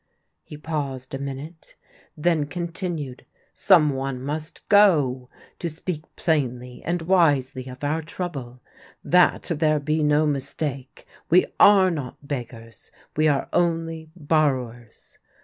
" He paused a minute, then contin ued :" Some one must go, to speak plainly and wisely of our trouble, that there be no mistake — we are not beggars, we are only borrowers.